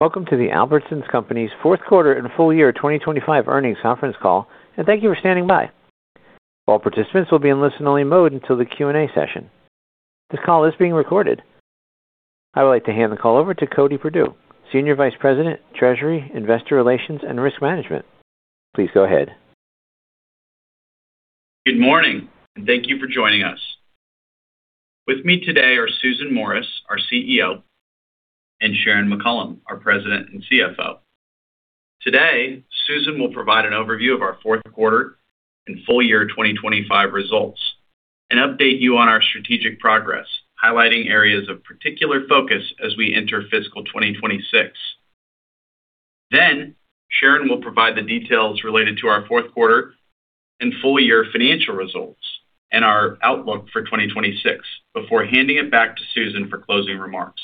Welcome to the Albertsons Company's Fourth Quarter and Full-Year 2025 Earnings Conference Call, and thank you for standing by. All participants will be in listen-only mode until the Q&A session. This call is being recorded. I would like to hand the call over to Cody Perdue, Senior Vice President, Treasury, Investor Relations, and Risk Management. Please go ahead. Good morning, thank you for joining us. With me today are Susan Morris, our CEO, and Sharon McCollam, our President and CFO. Today, Susan will provide an overview of our fourth quarter and full-year 2025 results and update you on our strategic progress, highlighting areas of particular focus as we enter fiscal 2026. Sharon will provide the details related to our fourth quarter and full-year financial results and our outlook for 2026 before handing it back to Susan for closing remarks.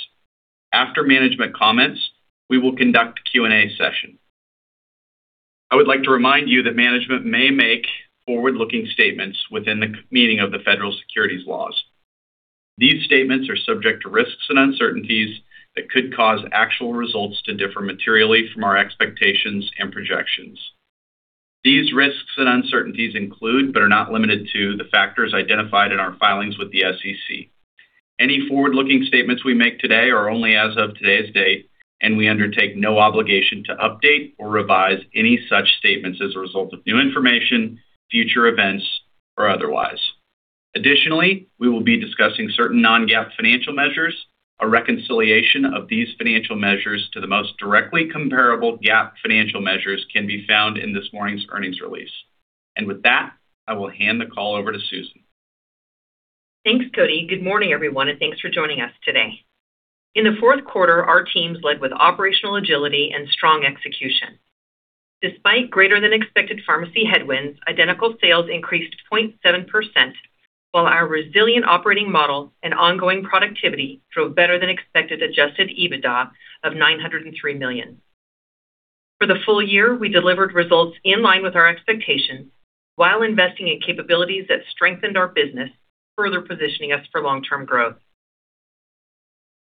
After management comments, we will conduct a Q&A session. I would like to remind you that management may make forward-looking statements within the meaning of the federal securities laws. These statements are subject to risks and uncertainties that could cause actual results to differ materially from our expectations and projections. These risks and uncertainties include, but are not limited to, the factors identified in our filings with the SEC. Any forward-looking statements we make today are only as of today's date, and we undertake no obligation to update or revise any such statements as a result of new information, future events, or otherwise. Additionally, we will be discussing certain non-GAAP financial measures. A reconciliation of these financial measures to the most directly comparable GAAP financial measures can be found in this morning's earnings release. With that, I will hand the call over to Susan. Thanks, Cody. Good morning, everyone, and thanks for joining us today. In the fourth quarter, our teams led with operational agility and strong execution. Despite greater than expected pharmacy headwinds, identical sales increased 0.7%, while our resilient operating model and ongoing productivity drove better than expected Adjusted EBITDA of $903 million. For the full-year, we delivered results in line with our expectations while investing in capabilities that strengthened our business, further positioning us for long-term growth.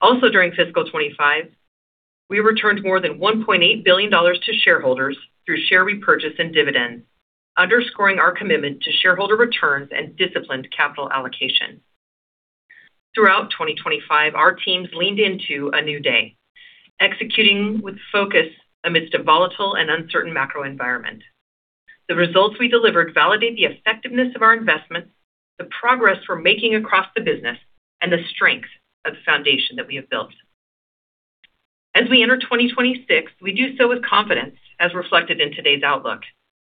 Also during fiscal 2025, we returned more than $1.8 billion to shareholders through share repurchase and dividends, underscoring our commitment to shareholder returns and disciplined capital allocation. Throughout 2025, our teams leaned into a new day, executing with focus amidst a volatile and uncertain macro environment. The results we delivered validate the effectiveness of our investments, the progress we're making across the business, and the strength of the foundation that we have built. As we enter 2026, we do so with confidence as reflected in today's outlook.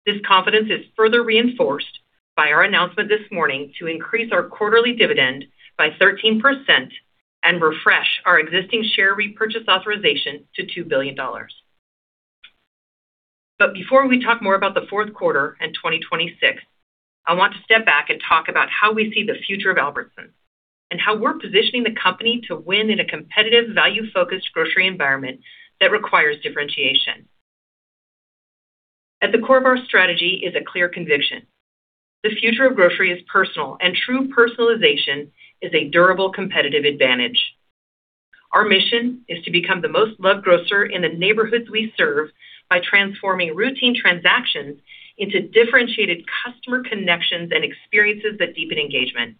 This confidence is further reinforced by our announcement this morning to increase our quarterly dividend by 13% and refresh our existing share repurchase authorization to $2 billion. Before we talk more about the fourth quarter and 2026, I want to step back and talk about how we see the future of Albertsons and how we're positioning the company to win in a competitive, value-focused grocery environment that requires differentiation. At the core of our strategy is a clear conviction. The future of grocery is personal, and true personalization is a durable competitive advantage. Our mission is to become the most loved grocer in the neighborhoods we serve by transforming routine transactions into differentiated customer connections and experiences that deepen engagement.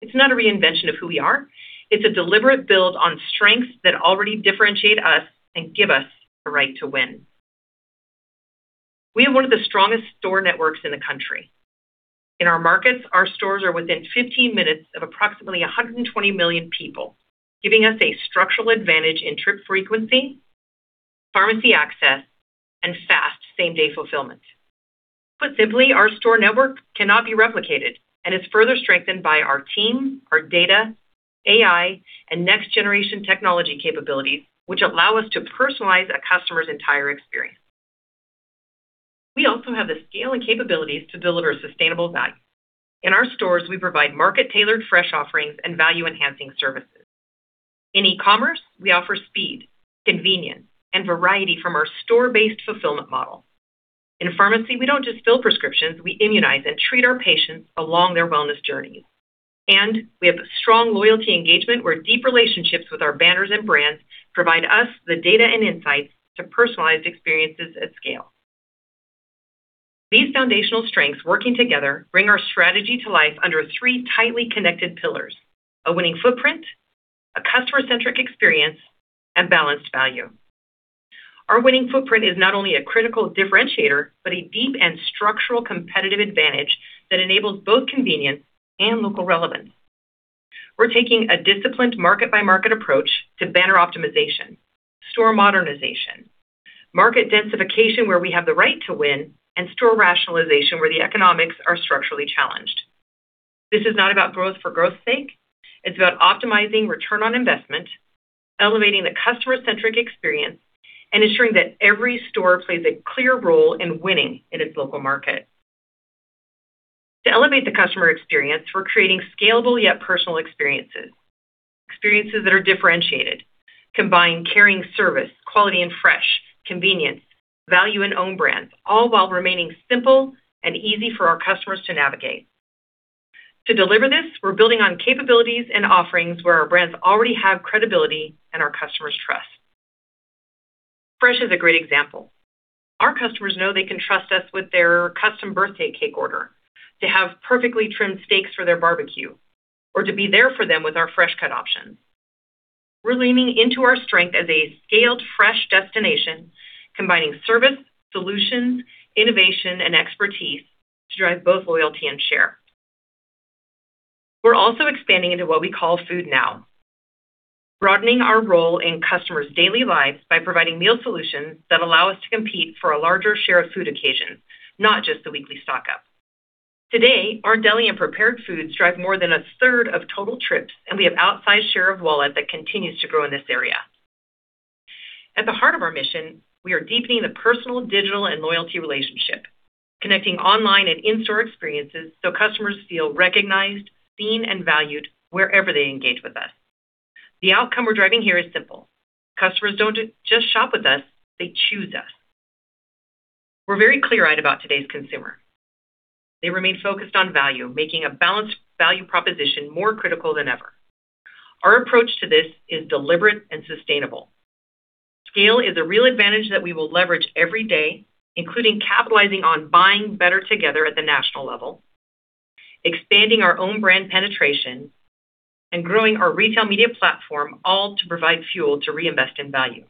It's not a reinvention of who we are. It's a deliberate build on strengths that already differentiate us and give us the right to win. We have one of the strongest store networks in the country. In our markets, our stores are within 15 minutes of approximately 120 million people, giving us a structural advantage in trip frequency, pharmacy access, and fast same-day fulfillment. Put simply, our store network cannot be replicated and is further strengthened by our team, our data, AI, and next-generation technology capabilities, which allow us to personalize a customer's entire experience. We also have the scale and capabilities to deliver sustainable value. In our stores, we provide market-tailored fresh offerings and value-enhancing services. In e-commerce, we offer speed, convenience, and variety from our store-based fulfillment model. In pharmacy, we don't just fill prescriptions, we immunize and treat our patients along their wellness journeys. We have a strong loyalty engagement where deep relationships with our banners and brands provide us the data and insights to personalize experiences at scale. These foundational strengths working together bring our strategy to life under three tightly connected pillars, a winning footprint, a customer-centric experience, and balanced value. Our winning footprint is not only a critical differentiator, but a deep and structural competitive advantage that enables both convenience and local relevance. We're taking a disciplined market-by-market approach to banner optimization, store modernization, market densification where we have the right to win, and store rationalization where the economics are structurally challenged. This is not about growth for growth's sake. It's about optimizing return on investment, elevating the customer-centric experience, and ensuring that every store plays a clear role in winning in its local market. To elevate the customer experience, we're creating scalable yet personal experiences. Experiences that are differentiated, combine caring service, quality and fresh, convenience, value and own brands, all while remaining simple and easy for our customers to navigate. To deliver this, we're building on capabilities and offerings where our brands already have credibility and our customers' trust. Fresh is a great example. Our customers know they can trust us with their custom birthday cake order, to have perfectly trimmed steaks for their barbecue, or to be there for them with our Fresh Cut options. We're leaning into our strength as a scaled fresh destination, combining service, solutions, innovation, and expertise to drive both loyalty and share. We're also expanding into what we call food now, broadening our role in customers' daily lives by providing meal solutions that allow us to compete for a larger share of food occasions, not just the weekly stock-up. Today, our deli and prepared foods drive more than 1/3 of total trips, and we have outsized share of wallet that continues to grow in this area. At the heart of our mission, we are deepening the personal, digital, and loyalty relationship, connecting online and in-store experiences so customers feel recognized, seen, and valued wherever they engage with us. The outcome we're driving here is simple. Customers don't just shop with us, they choose us. We're very clear-eyed about today's consumer. They remain focused on value, making a balanced value proposition more critical than ever. Our approach to this is deliberate and sustainable. Scale is a real advantage that we will leverage every day, including capitalizing on buying better together at the national level, expanding our own brand penetration, and growing our retail media platform, all to provide fuel to reinvest in value.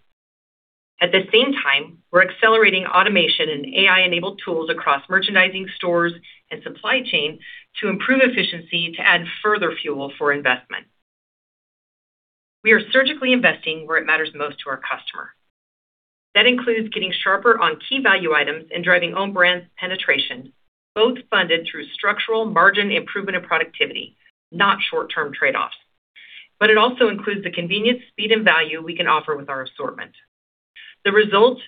At the same time, we're accelerating automation and AI-enabled tools across merchandising, stores, and supply chain to improve efficiency to add further fuel for investment. We are surgically investing where it matters most to our customer. That includes getting sharper on key value items and driving own brands penetration, both funded through structural margin improvement and productivity, not short-term trade-offs. It also includes the convenience, speed, and value we can offer with our assortment. The result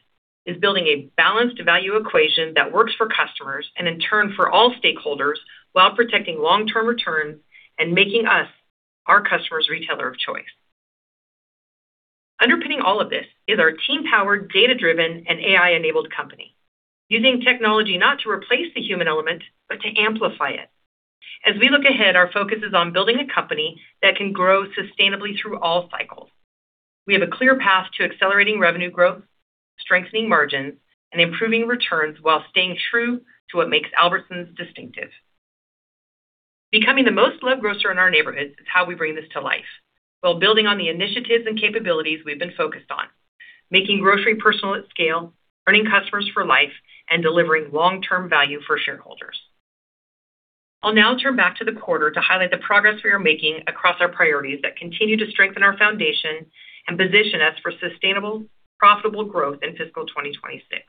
is building a balanced value equation that works for customers and in turn for all stakeholders while protecting long-term returns and making us our customer's retailer of choice. Underpinning all of this is our team-powered, data-driven, and AI-enabled company, using technology not to replace the human element, but to amplify it. As we look ahead, our focus is on building a company that can grow sustainably through all cycles. We have a clear path to accelerating revenue growth, strengthening margins, and improving returns while staying true to what makes Albertsons distinctive. Becoming the most loved grocer in our neighborhoods is how we bring this to life, while building on the initiatives and capabilities we've been focused on, making grocery personal at scale, earning customers for life, and delivering long-term value for shareholders. I'll now turn back to the quarter to highlight the progress we are making across our priorities that continue to strengthen our foundation and position us for sustainable, profitable growth in fiscal 2026.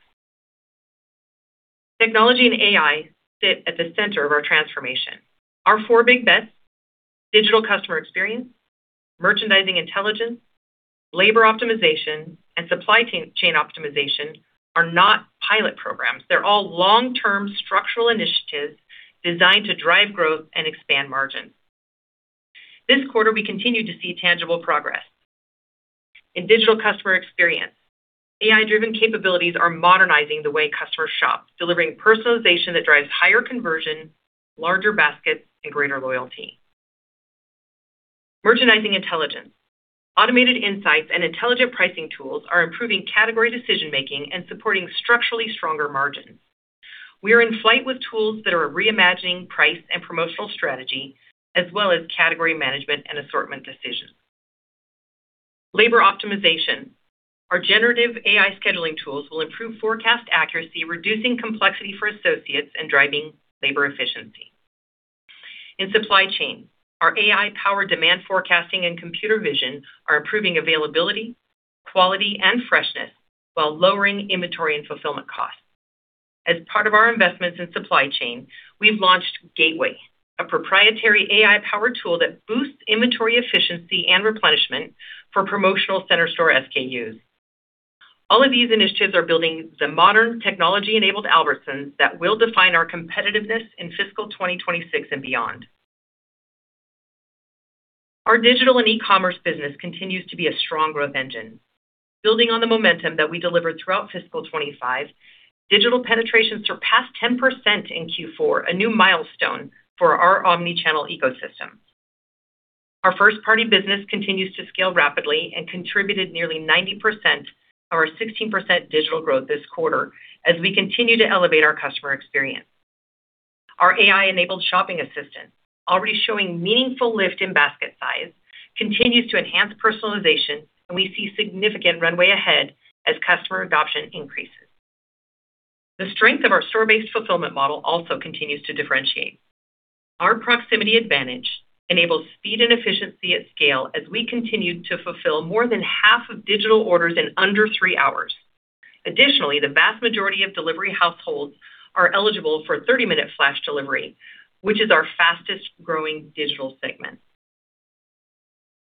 Technology and AI sit at the center of our transformation. Our four big bets, Digital Customer Experience, Merchandising Intelligence, Labor Optimization, and Supply Chain Optimization are not pilot programs. They're all long-term structural initiatives designed to drive growth and expand margins. This quarter, we continue to see tangible progress. In Digital Customer Experience, AI-driven capabilities are modernizing the way customers shop, delivering personalization that drives higher conversion, larger baskets, and greater loyalty. Merchandising Intelligence, automated insights and intelligent pricing tools are improving category decision-making and supporting structurally stronger margins. We are in flight with tools that are reimagining price and promotional strategy, as well as category management and assortment decisions. Labor Optimization, our generative AI scheduling tools will improve forecast accuracy, reducing complexity for associates, and driving labor efficiency. In Supply Chain, our AI-powered demand forecasting and computer vision are improving availability, quality, and freshness while lowering inventory and fulfillment costs. As part of our investments in supply chain, we've launched Gateway, a proprietary AI-powered tool that boosts inventory efficiency and replenishment for promotional center store SKUs. All of these initiatives are building the modern technology-enabled Albertsons that will define our competitiveness in fiscal 2026 and beyond. Our digital and e-commerce business continues to be a strong growth engine. Building on the momentum that we delivered throughout fiscal 2025, digital penetration surpassed 10% in Q4, a new milestone for our omni-channel ecosystem. Our first-party business continues to scale rapidly and contributed nearly 90% of our 16% digital growth this quarter, as we continue to elevate our customer experience. Our AI-enabled shopping assistant, already showing meaningful lift in basket size, continues to enhance personalization, and we see significant runway ahead as customer adoption increases. The strength of our store-based fulfillment model also continues to differentiate. Our proximity advantage enables speed and efficiency at scale as we continue to fulfill more than half of digital orders in under three hours. Additionally, the vast majority of delivery households are eligible for 30-minute flash delivery, which is our fastest-growing digital segment.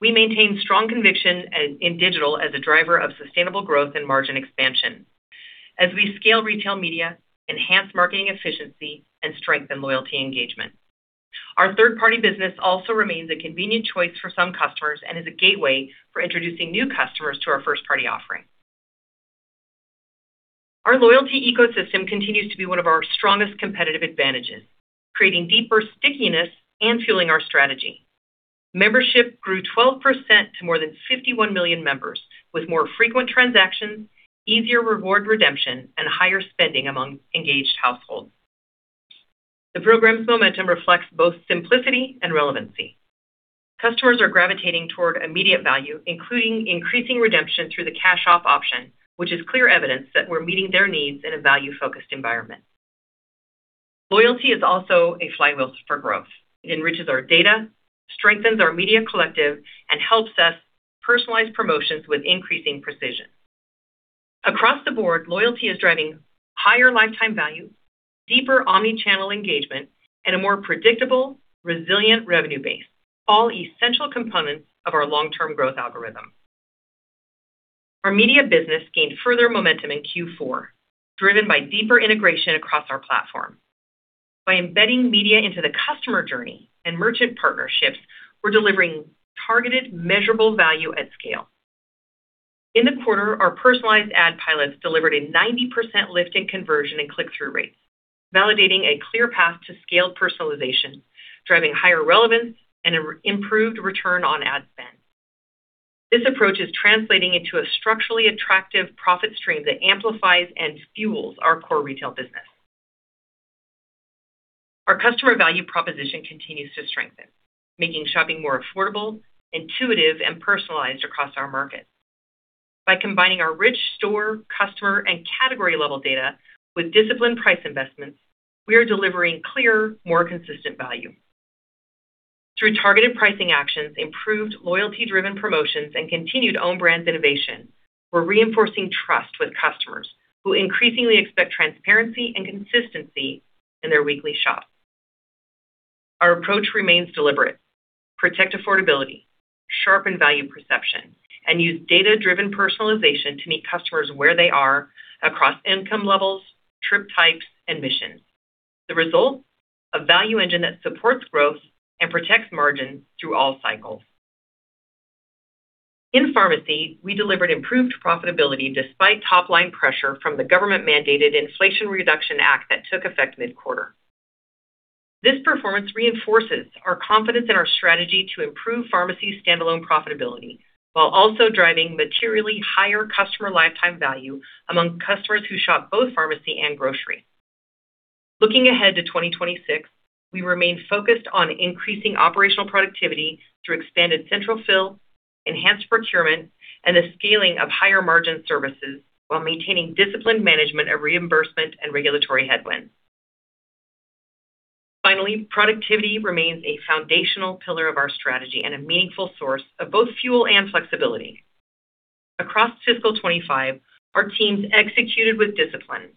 We maintain strong conviction in digital as a driver of sustainable growth and margin expansion, as we scale retail media, enhance marketing efficiency, and strengthen loyalty engagement. Our third-party business also remains a convenient choice for some customers and is a gateway for introducing new customers to our first-party offering. Our loyalty ecosystem continues to be one of our strongest competitive advantages, creating deeper stickiness and fueling our strategy. Membership grew 12% to more than 51 million members with more frequent transactions, easier reward redemption, and higher spending among engaged households. The program's momentum reflects both simplicity and relevancy. Customers are gravitating toward immediate value, including increasing redemption through the cash-off option, which is clear evidence that we're meeting their needs in a value-focused environment. Loyalty is also a flywheel for growth. It enriches our data, strengthens our Media Collective, and helps us personalize promotions with increasing precision. Across the board, loyalty is driving higher lifetime value, deeper omni-channel engagement, and a more predictable, resilient revenue base, all essential components of our long-term growth algorithm. Our media business gained further momentum in Q4, driven by deeper integration across our platform. By embedding media into the customer journey and merchant partnerships, we're delivering targeted, measurable value at scale. In the quarter, our personalized ad pilots delivered a 90% lift in conversion and click-through rates, validating a clear path to scaled personalization, driving higher relevance, and an improved return on ad spend. This approach is translating into a structurally attractive profit stream that amplifies and fuels our core retail business. Our customer value proposition continues to strengthen, making shopping more affordable, intuitive, and personalized across our market. By combining our rich store, customer, and category-level data with disciplined price investments, we are delivering clear, more consistent value. Through targeted pricing actions, improved loyalty-driven promotions, and continued own-brand innovation, we're reinforcing trust with customers who increasingly expect transparency and consistency in their weekly shop. Our approach remains deliberate. Protect affordability, sharpen value perception, and use data-driven personalization to meet customers where they are across income levels, trip types, and missions. The result? A value engine that supports growth and protects margins through all cycles. In pharmacy, we delivered improved profitability despite top-line pressure from the government-mandated Inflation Reduction Act that took effect mid-quarter. This performance reinforces our confidence in our strategy to improve pharmacy's standalone profitability while also driving materially higher customer lifetime value among customers who shop both pharmacy and grocery. Looking ahead to 2026, we remain focused on increasing operational productivity through expanded central fill, enhanced procurement, and the scaling of higher-margin services while maintaining disciplined management of reimbursement and regulatory headwinds. Finally, productivity remains a foundational pillar of our strategy and a meaningful source of both fuel and flexibility. Across fiscal 2025, our teams executed with discipline,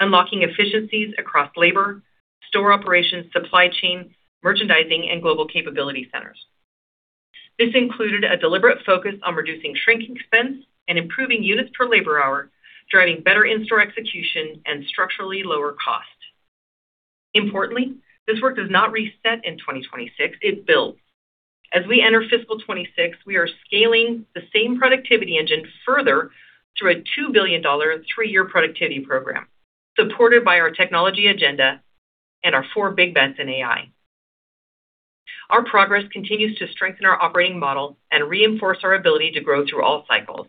unlocking efficiencies across labor, store operations, supply chain, merchandising, and Global Capability Centers. This included a deliberate focus on reducing shrink expense and improving units per labor hour, driving better in-store execution and structurally lower cost. Importantly, this work does not reset in 2026. It builds. As we enter fiscal 2026, we are scaling the same productivity engine further through a $2 billion three-year productivity program, supported by our technology agenda and our four big bets in AI. Our progress continues to strengthen our operating model and reinforce our ability to grow through all cycles.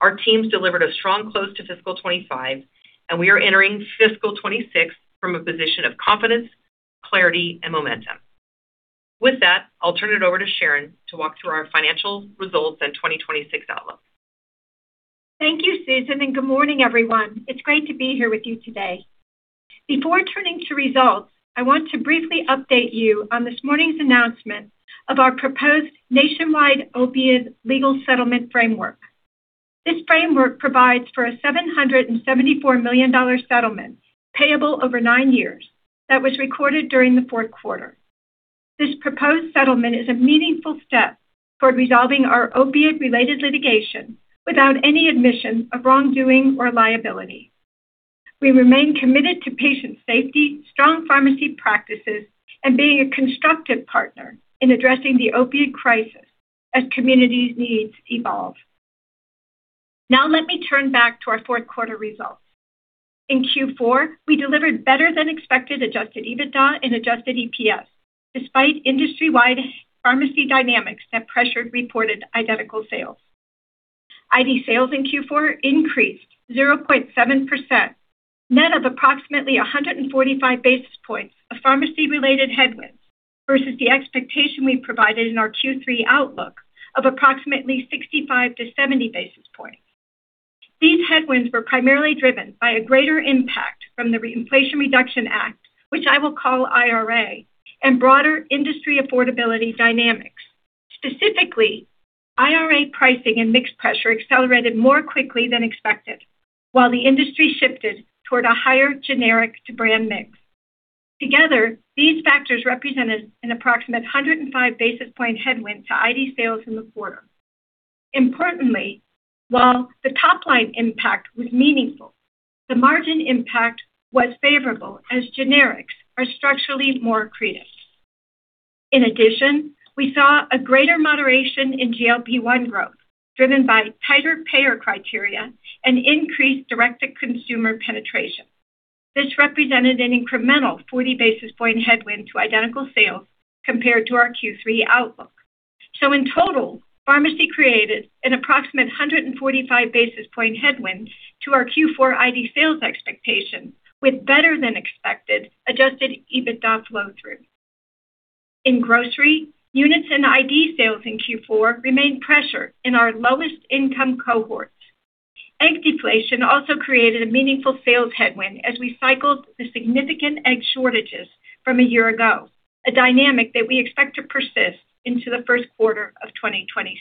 Our teams delivered a strong close to fiscal 2025, and we are entering fiscal 2026 from a position of confidence, clarity, and momentum. With that, I'll turn it over to Sharon to walk through our financial results and 2026 outlook. Thank you, Susan, and good morning, everyone. It's great to be here with you today. Before turning to results, I want to briefly update you on this morning's announcement of our proposed nationwide opioid legal settlement framework. This framework provides for a 774 million-dollar settlement payable over nine years that was recorded during the fourth quarter. This proposed settlement is a meaningful step toward resolving our opioid-related litigation without any admission of wrongdoing or liability. We remain committed to patient safety, strong pharmacy practices, and being a constructive partner in addressing the opioid crisis as community needs evolve. Now let me turn back to our fourth quarter results. In Q4, we delivered better-than-expected Adjusted EBITDA and Adjusted EPS, despite industry-wide pharmacy dynamics that pressured reported identical sales. Identical-store sales in Q4 increased 0.7%, net of approximately 145 basis points of pharmacy-related headwinds, versus the expectation we provided in our Q3 outlook of approximately 65 basis points-70 basis points. These headwinds were primarily driven by a greater impact from the Inflation Reduction Act, which I will call IRA, and broader industry affordability dynamics. Specifically, IRA pricing and mix pressure accelerated more quickly than expected, while the industry shifted toward a higher generic-to-brand mix. Together, these factors represented an approximate 105 basis point headwind to Identical-store sales in the quarter. Importantly, while the top-line impact was meaningful, the margin impact was favorable as generics are structurally more accretive. In addition, we saw a greater moderation in GLP-1 growth, driven by tighter payer criteria and increased direct-to-consumer penetration. This represented an incremental 40 basis point headwind to Identical sales compared to our Q3 outlook. In total, Pharmacy created an approximate 145 basis point headwind to our Q4 Identical-store sales expectations, with better-than-expected Adjusted EBITDA flow-through. In Grocery, units and Identical-store sales in Q4 remained pressured in our lowest income cohorts. Egg deflation also created a meaningful sales headwind as we cycled the significant egg shortages from a year ago, a dynamic that we expect to persist into the first quarter of 2026.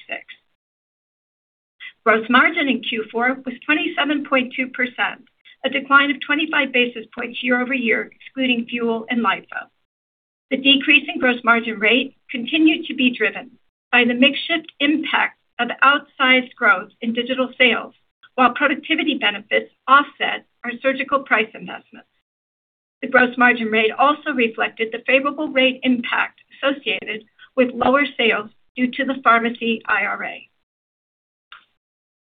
Gross margin in Q4 was 27.2%, a decline of 25 basis points year-over-year, excluding fuel and LIFO. The decrease in gross margin rate continued to be driven by the mix-shift impact of outsized growth in Digital sales, while productivity benefits offset our surgical price investments. The gross margin rate also reflected the favorable rate impact associated with lower sales due to the pharmacy IRA.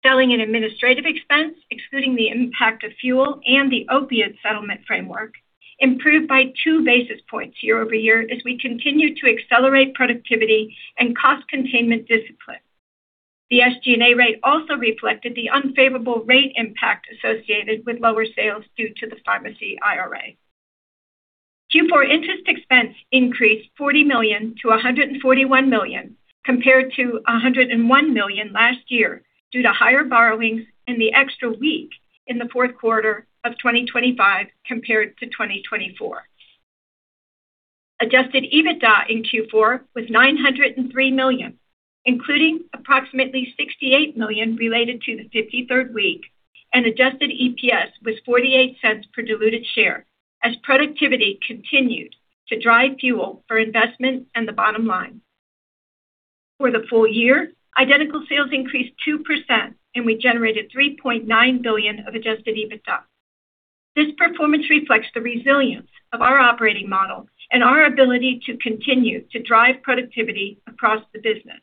Selling and administrative expense, excluding the impact of fuel and the opiate settlement framework, improved by two basis points year-over-year as we continued to accelerate productivity and cost containment discipline. The SG&A rate also reflected the unfavorable rate impact associated with lower sales due to the pharmacy IRA. Q4 interest expense increased $40 million to $141 million, compared to $101 million last year, due to higher borrowings and the extra week in the fourth quarter of 2025 compared to 2024. Adjusted EBITDA in Q4 was $903 million, including approximately $68 million related to the 53rd week, and Adjusted EPS was $0.48 per diluted share, as productivity continued to drive fuel for investment and the bottom line. For the full-year, identical sales increased 2% and we generated $3.9 billion of Adjusted EBITDA. This performance reflects the resilience of our operating model and our ability to continue to drive productivity across the business.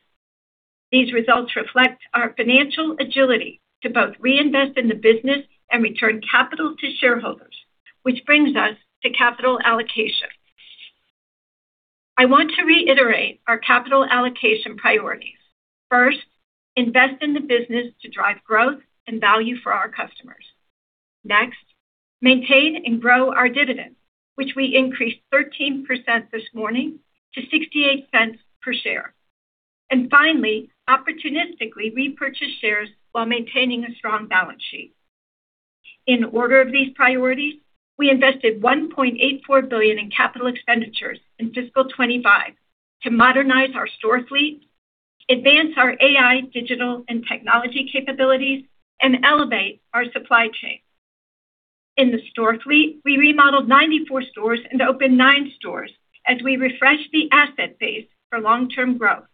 These results reflect our financial agility to both reinvest in the business and return capital to shareholders, which brings us to capital allocation. I want to reiterate our capital allocation priorities. First, invest in the business to drive growth and value for our customers. Next, maintain and grow our dividend, which we increased 13% this morning to $0.68 per share. Finally, opportunistically repurchase shares while maintaining a strong balance sheet. In order of these priorities, we invested $1.84 billion in capital expenditures in fiscal 2025 to modernize our store fleet, advance our AI, digital, and technology capabilities, and elevate our supply chain. In the store fleet, we remodeled 94 stores and opened nine stores as we refresh the asset base for long-term growth.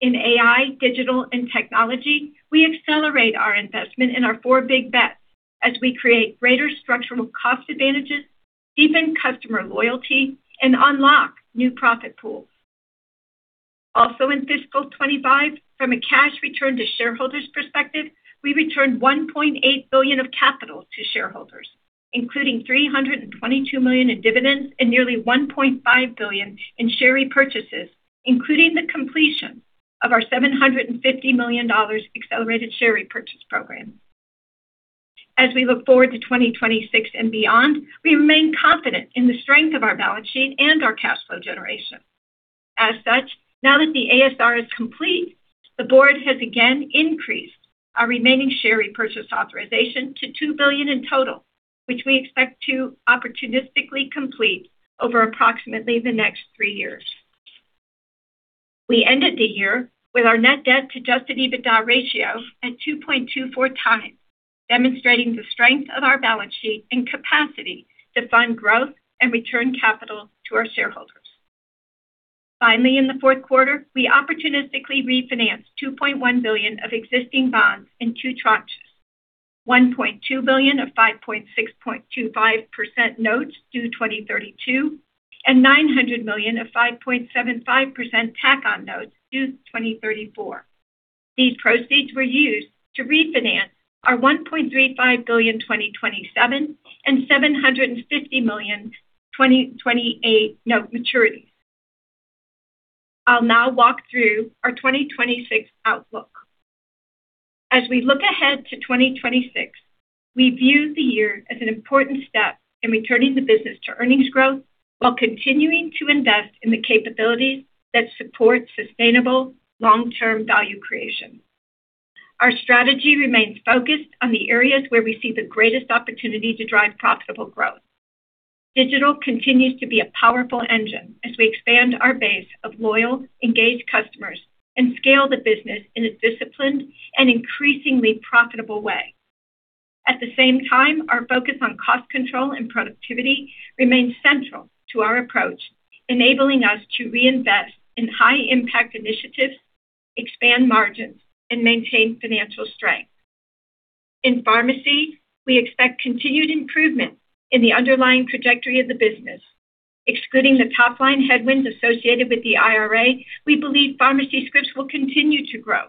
In AI, digital, and technology, we accelerate our investment in our four big bets as we create greater structural cost advantages, deepen customer loyalty, and unlock new profit pools. Also in fiscal 2025, from a cash return to shareholders perspective, we returned $1.8 billion of capital to shareholders, including $322 million in dividends and nearly $1.5 billion in share repurchases, including the completion of our $750 million accelerated share repurchase program. As we look forward to 2026 and beyond, we remain confident in the strength of our balance sheet and our cash flow generation. As such, now that the ASR is complete, the Board has again increased our remaining share repurchase authorization to $2 billion in total, which we expect to opportunistically complete over approximately the next three years. We ended the year with our net debt to Adjusted EBITDA ratio at 2.24x, demonstrating the strength of our balance sheet and capacity to fund growth and return capital to our shareholders. Finally, in the fourth quarter, we opportunistically refinanced $2.1 billion of existing bonds in two tranches, $1.2 billion of 5.625% notes due 2032 and $900 million of 5.75% tack-on notes due 2034. These proceeds were used to refinance our $1.35 billion 2027 and $750 million 2028 note maturities. I'll now walk through our 2026 outlook. As we look ahead to 2026, we view the year as an important step in returning the business to earnings growth while continuing to invest in the capabilities that support sustainable long-term value creation. Our strategy remains focused on the areas where we see the greatest opportunity to drive profitable growth. Digital continues to be a powerful engine as we expand our base of loyal, engaged customers and scale the business in a disciplined and increasingly profitable way. At the same time, our focus on cost control and productivity remains central to our approach, enabling us to reinvest in high-impact initiatives, expand margins, and maintain financial strength. In pharmacy, we expect continued improvement in the underlying trajectory of the business. Excluding the top-line headwinds associated with the IRA, we believe pharmacy scripts will continue to grow,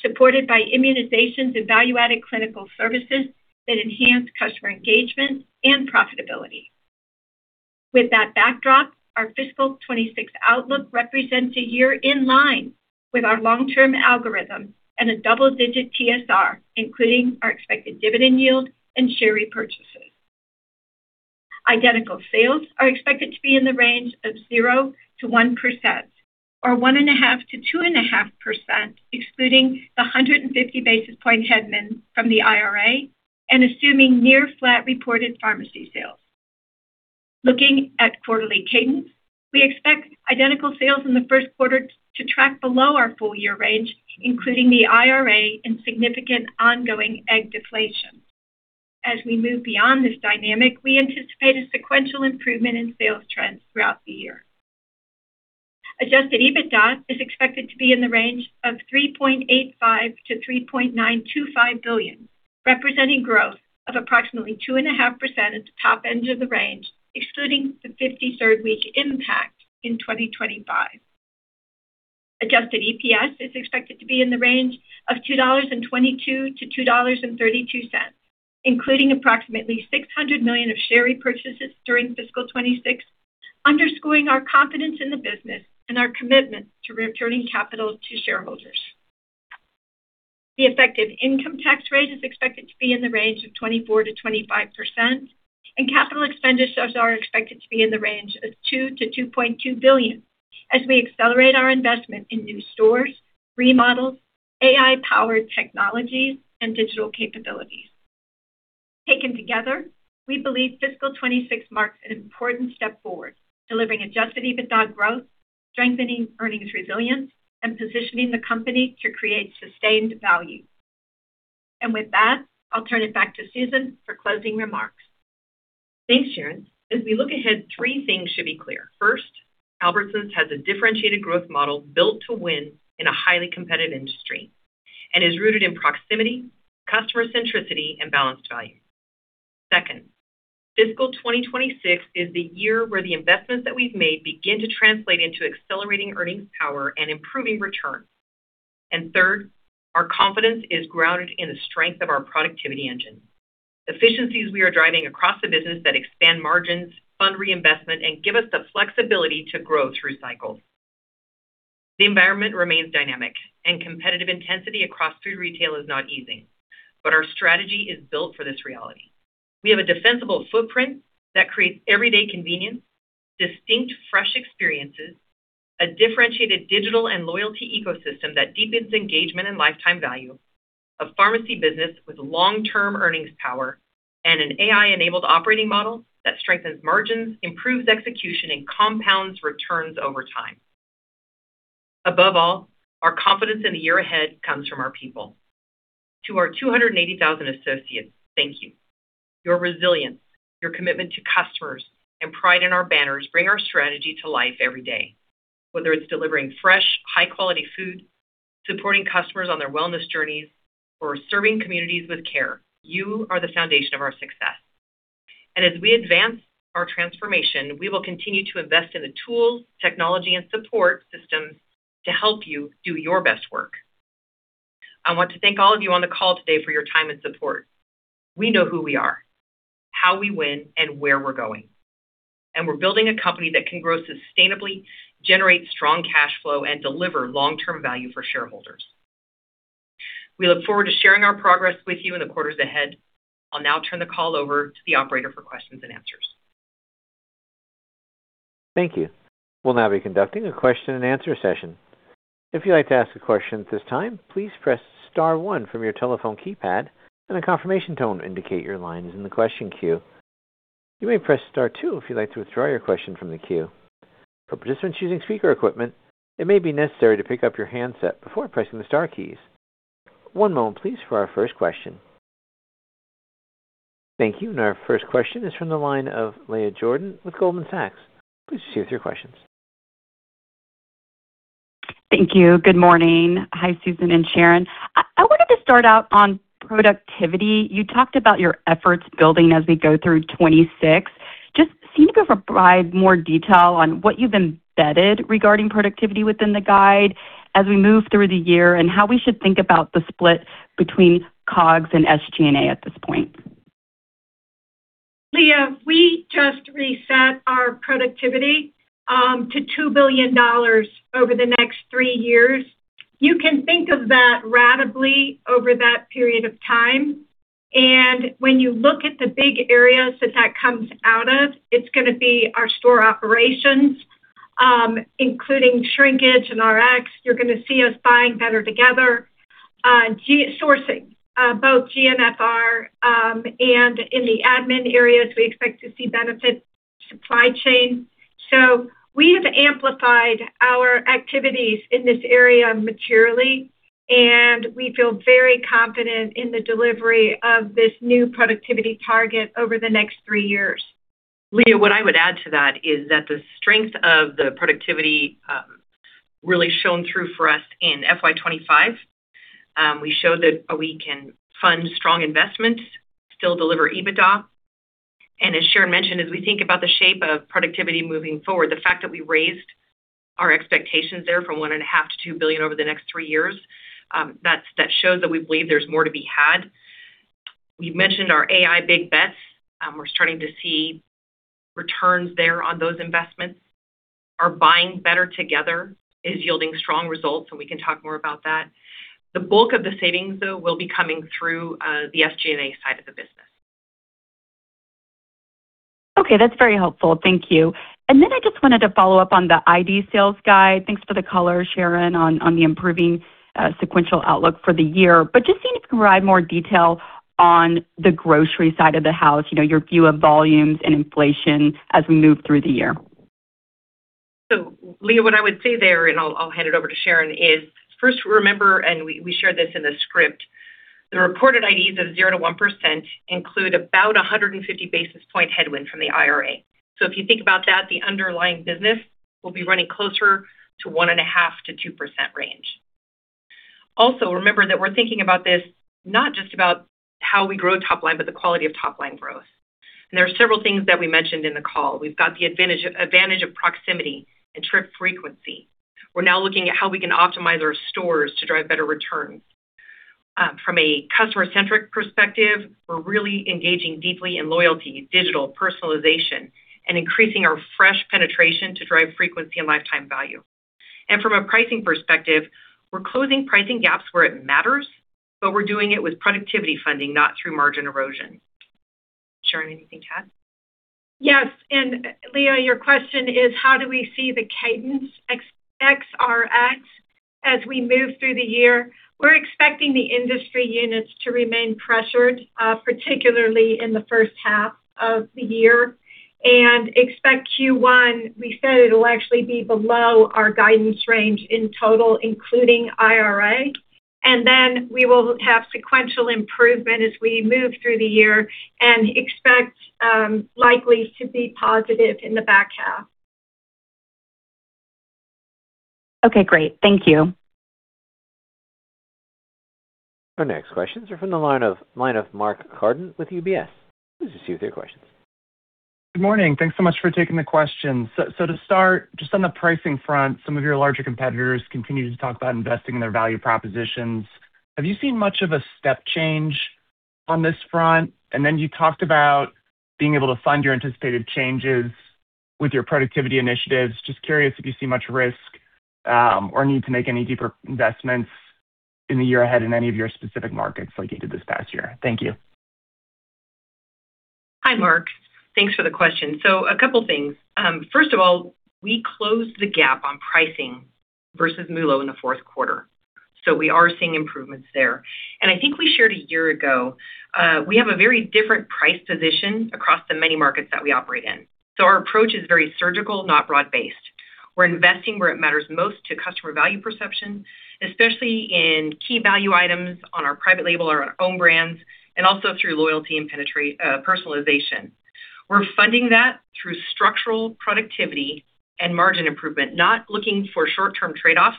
supported by immunizations and value-added clinical services that enhance customer engagement and profitability. With that backdrop, our fiscal 2026 outlook represents a year in line with our long-term algorithm and a double-digit TSR, including our expected dividend yield and share repurchases. Identical sales are expected to be in the range of 0%-1%, or 1.5%-2.5%, excluding the 150 basis point headwind from the IRA and assuming near flat reported pharmacy sales. Looking at quarterly cadence, we expect identical sales in the first quarter to track below our full-year range, including the IRA and significant ongoing egg deflation. As we move beyond this dynamic, we anticipate a sequential improvement in sales trends throughout the year. Adjusted EBITDA is expected to be in the range of $3.85 billion-$3.925 billion, representing growth of approximately 2.5% at the top end of the range, excluding the 53rd week impact in 2025. Adjusted EPS is expected to be in the range of $2.22-$2.32, including approximately $600 million of share repurchases during fiscal 2026, underscoring our confidence in the business and our commitment to returning capital to shareholders. The effective income tax rate is expected to be in the range of 24%-25%, and Capital Expenditures are expected to be in the range of $2 billion-$2.2 billion, as we accelerate our investment in new stores, remodels, AI-powered technologies, and digital capabilities. Taken together, we believe fiscal 2026 marks an important step forward, delivering Adjusted EBITDA growth, strengthening earnings resilience, and positioning the Company to create sustained value. With that, I'll turn it back to Susan for closing remarks. Thanks, Sharon. As we look ahead, three things should be clear. First, Albertsons has a differentiated growth model built to win in a highly competitive industry and is rooted in proximity, customer centricity, and balanced value. Second, fiscal 2026 is the year where the investments that we've made begin to translate into accelerating earnings power and improving returns. Third, our confidence is grounded in the strength of our productivity engine, efficiencies we are driving across the business that expand margins, fund reinvestment, and give us the flexibility to grow through cycles. The environment remains dynamic and competitive intensity across food retail is not easing, but our strategy is built for this reality. We have a defensible footprint that creates everyday convenience, distinct fresh experiences, a differentiated digital and loyalty ecosystem that deepens engagement and lifetime value, a pharmacy business with long-term earnings power, and an AI-enabled operating model that strengthens margins, improves execution, and compounds returns over time. Above all, our confidence in the year ahead comes from our people. To our 280,000 associates, thank you. Your resilience, your commitment to customers, and pride in our banners bring our strategy to life every day. Whether it's delivering fresh, high-quality food, supporting customers on their wellness journeys, or serving communities with care, you are the foundation of our success. As we advance our transformation, we will continue to invest in the tools, technology, and support systems to help you do your best work. I want to thank all of you on the call today for your time and support. We know who we are, how we win, and where we're going. We're building a company that can grow sustainably, generate strong cash flow, and deliver long-term value for shareholders. We look forward to sharing our progress with you in the quarters ahead. I'll now turn the call over to the operator for questions and answers. Thank you. We'll now be conducting a question and answer session. If you'd like to ask a question at this time, please press star one from your telephone keypad, and a confirmation tone will indicate your line is in the question queue. You may press star two if you'd like to withdraw your question from the queue. For participants using speaker equipment, it may be necessary to pick up your handset before pressing the star keys. One moment, please, for our first question. Thank you. Our first question is from the line of Leah Jordan with Goldman Sachs. Please share your questions. Thank you. Good morning. Hi, Susan and Sharon. I wanted to start out on productivity. You talked about your efforts building as we go through 2026. Just can you go provide more detail on what you've embedded regarding productivity within the guide as we move through the year, and how we should think about the split between COGS and SG&A at this point? Leah, we just reset our productivity to $2 billion over the next three years. You can think of that ratably over that period of time. When you look at the big areas that that comes out of, it's going to be our store operations, including shrinkage and RX. You're going to see us buying better together, sourcing both GNFR and in the admin areas. We expect to see benefits, supply chain. We have amplified our activities in this area materially, and we feel very confident in the delivery of this new productivity target over the next three years. Leah, what I would add to that is that the strength of the productivity really shone through for us in FY 2025. We showed that we can fund strong investments, still deliver EBITDA. As Sharon mentioned, as we think about the shape of productivity moving forward, the fact that we raised our expectations there from $1.5 billion-$2 billion over the next three years, that shows that we believe there's more to be had. We've mentioned our AI big bets. We're starting to see returns there on those investments. Our buying better together is yielding strong results, and we can talk more about that. The bulk of the savings, though, will be coming through the SG&A side of the business. Okay, that's very helpful. Thank you. I just wanted to follow up on the Identical-store sales guide. Thanks for the color, Sharon, on the improving sequential outlook for the year. Just seeing if you can provide more detail on the grocery side of the house, your view of volumes and inflation as we move through the year. Leah, what I would say there, and I'll hand it over to Sharon, is first, remember, and we shared this in the script, the reported IDs of 0%-1% include about 150 basis point headwind from the IRA. If you think about that, the underlying business will be running closer to 1.5%-2% range. Also, remember that we're thinking about this not just about how we grow top line, but the quality of top-line growth. There are several things that we mentioned in the call. We've got the advantage of proximity and trip frequency. We're now looking at how we can optimize our stores to drive better returns. From a customer-centric perspective, we're really engaging deeply in loyalty, digital, personalization, and increasing our fresh penetration to drive frequency and lifetime value. From a pricing perspective, we're closing pricing gaps where it matters, but we're doing it with productivity funding, not through margin erosion. Sharon, anything to add? Yes. Leah, your question is, how do we see the cadence ex RX as we move through the year? We're expecting the industry units to remain pressured, particularly in the first half of the year, and expect Q1, we said it'll actually be below our guidance range in total, including IRA. We will have sequential improvement as we move through the year and expect likely to be positive in the back half. Okay, great. Thank you. Our next questions are from the line of Mark Carden with UBS. Please proceed with your questions. Good morning. Thanks so much for taking the questions. To start, just on the pricing front, some of your larger competitors continue to talk about investing in their value propositions. Have you seen much of a step change on this front? You talked about being able to fund your anticipated changes with your productivity initiatives. Just curious if you see much risk or need to make any deeper investments in the year ahead in any of your specific markets like you did this past year. Thank you. Hi, Mark. Thanks for the question. A couple of things. First of all, we closed the gap on pricing versus MULO in the fourth quarter, so we are seeing improvements there. I think we shared a year ago, we have a very different price position across the many markets that we operate in. Our approach is very surgical, not broad-based. We're investing where it matters most to customer value perception, especially in key value items on our private label or our own brands, and also through loyalty and personalization. We're funding that through structural productivity and margin improvement, not looking for short-term trade-offs.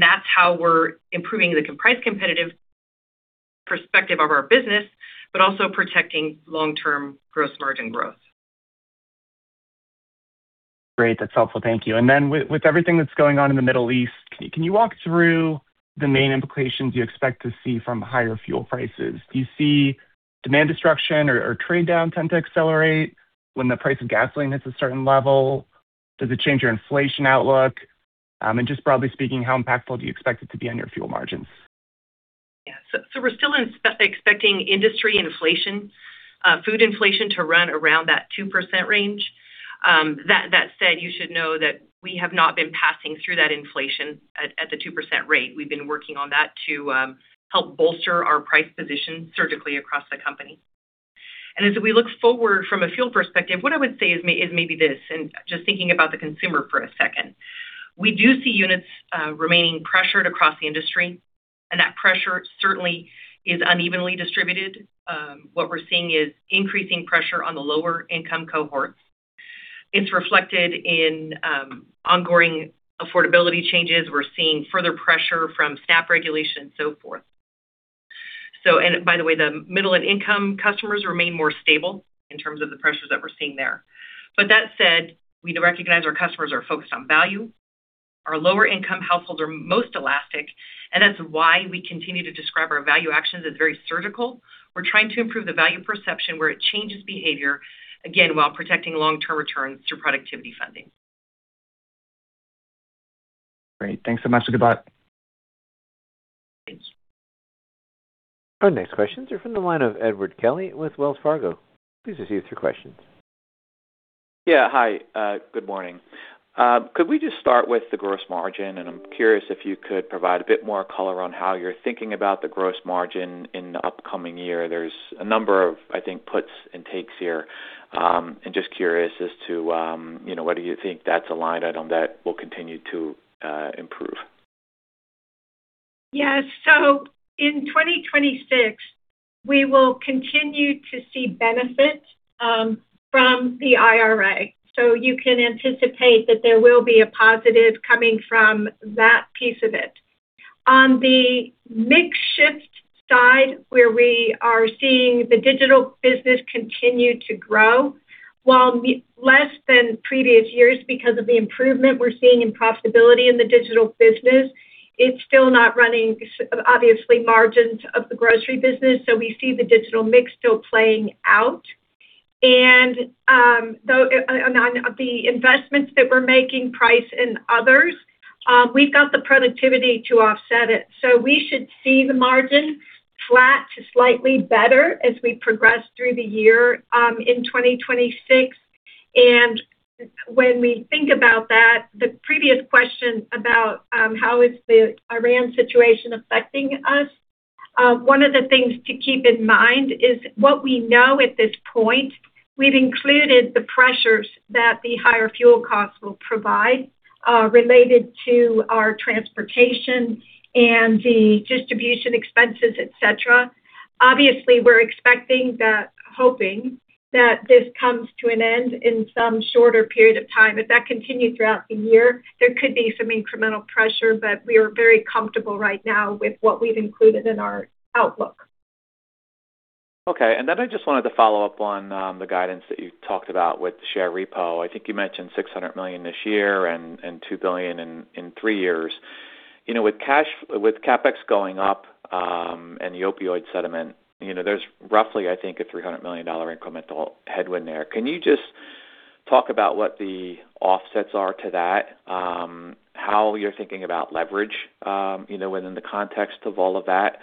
That's how we're improving the price competitive perspective of our business, but also protecting long-term gross margin growth. Great. That's helpful. Thank you. With everything that's going on in the Middle East, can you walk through the main implications you expect to see from higher fuel prices? Do you see demand destruction or trade down tend to accelerate when the price of gasoline hits a certain level? Does it change your inflation outlook? Just broadly speaking, how impactful do you expect it to be on your fuel margins? Yeah, we're still expecting industry inflation, food inflation to run around that 2% range. That said, you should know that we have not been passing through that inflation at the 2% rate. We've been working on that to help bolster our price position surgically across the company. As we look forward from a fuel perspective, what I would say is maybe this, and just thinking about the consumer for a second. We do see units remaining pressured across the industry, and that pressure certainly is unevenly distributed. What we're seeing is increasing pressure on the lower-income cohorts. It's reflected in ongoing affordability changes. We're seeing further pressure from SNAP regulations, so forth. By the way, the middle and income customers remain more stable in terms of the pressures that we're seeing there. That said, we recognize our customers are focused on value. Our lower-income households are most elastic, and that's why we continue to describe our value actions as very surgical. We're trying to improve the value perception where it changes behavior, again, while protecting long-term returns through productivity funding. Great. Thanks so much, and goodbye. Thanks. Our next questions are from the line of Edward Kelly with Wells Fargo. Please proceed with your questions. Yeah, hi. Good morning. Could we just start with the gross margin? I'm curious if you could provide a bit more color on how you're thinking about the gross margin in the upcoming year. There's a number of, I think, puts and takes here. Just curious as to whether you think that's a line item that will continue to improve? Yes. In 2026, we will continue to see benefit from the IRA. You can anticipate that there will be a positive coming from that piece of it. On the mix shift side, where we are seeing the digital business continue to grow, while less than previous years because of the improvement we're seeing in profitability in the digital business, it's still not running, obviously, margins of the grocery business. We see the digital mix still playing out. On the investments that we're making, price and others, we've got the productivity to offset it. We should see the margin flat to slightly better as we progress through the year in 2026. When we think about that, the previous question about how is the Iran situation affecting us, one of the things to keep in mind is what we know at this point. We've included the pressures that the higher fuel costs will provide related to our transportation and the distribution expenses, et cetera. Obviously, we're expecting that, hoping that this comes to an end in some shorter period of time. If that continued throughout the year, there could be some incremental pressure, but we are very comfortable right now with what we've included in our outlook. Okay. I just wanted to follow up on the guidance that you talked about with share repo. I think you mentioned $600 million this year and $2 billion in three years. With CapEx going up, and the opioid settlement, there's roughly, I think, a $300 million incremental headwind there. Can you just talk about what the offsets are to that, how you're thinking about leverage within the context of all of that?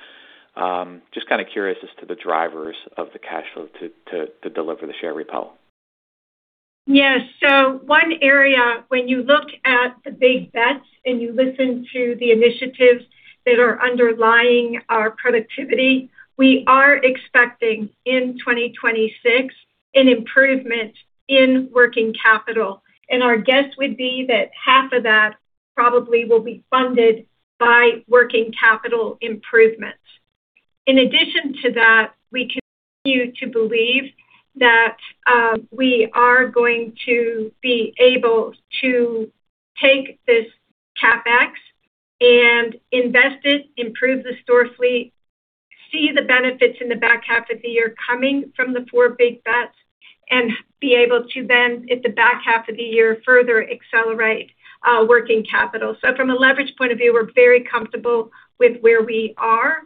Just kind of curious as to the drivers of the cash flow to deliver the share repo. Yes. One area, when you look at the big bets and you listen to the initiatives that are underlying our productivity, we are expecting in 2026, an improvement in working capital. Our guess would be that half of that probably will be funded by working capital improvements. In addition to that, we continue to believe that we are going to be able to take this CapEx and invest it, improve the store fleet, see the benefits in the back half of the year coming from the four big bets, and be able to then, at the back half of the year, further accelerate working capital. From a leverage point of view, we're very comfortable with where we are,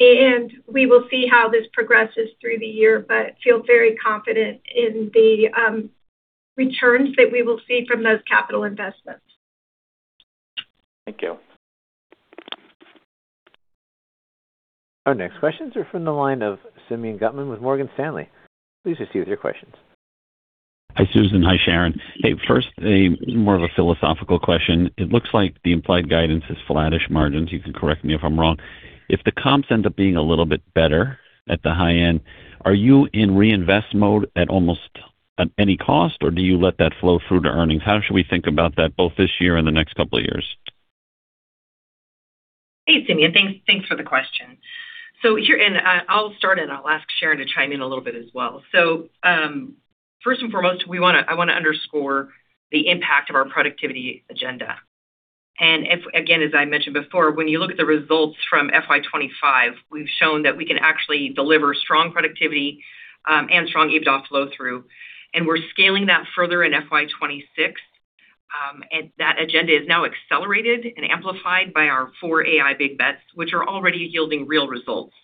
and we will see how this progresses through the year, but feel very confident in the returns that we will see from those capital investments. Thank you. Our next questions are from the line of Simeon Gutman with Morgan Stanley. Please proceed with your questions. Hi, Susan. Hi, Sharon. Hey, first, more of a philosophical question. It looks like the implied guidance is flattish margins. You can correct me if I'm wrong. If the comps end up being a little bit better at the high end, are you in reinvest mode at almost any cost, or do you let that flow through to earnings? How should we think about that, both this year and the next couple of years? Hey, Simeon. Thanks for the question. Here, and I'll start, and I'll ask Sharon to chime in a little bit as well. First and foremost, I want to underscore the impact of our productivity agenda. If, again, as I mentioned before, when you look at the results from FY 2025, we've shown that we can actually deliver strong productivity and strong EBITDA flow-through. We're scaling that further in FY 2026, and that agenda is now accelerated and amplified by our four AI big bets, which are already yielding real results.